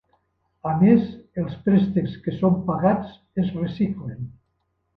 A més, els préstecs que són pagats es reciclen.